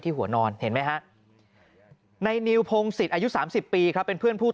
หัวนอนเห็นไหมฮะในนิวพงศิษย์อายุ๓๐ปีครับเป็นเพื่อนผู้